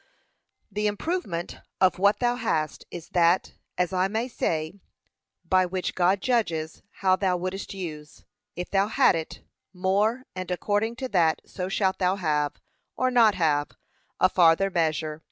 The improvement of what thou hast is that, as I may say, by which God judges how thou wouldest use, if thou had it, more; and according to that so shalt thou have, or not have, a farther measure.